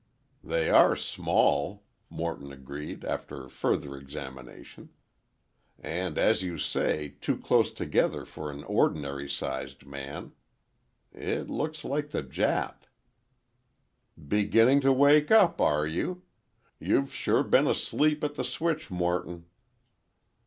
"They are small," Morton agreed after further examination. "And as you say, too close together for an ordinary sized man. It looks like the Jap." "Beginning to wake up, are you? You've sure been asleep at the switch, Morton."